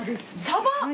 サバ！